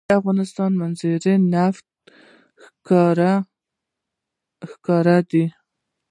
د افغانستان په منظره کې نفت ښکاره ده.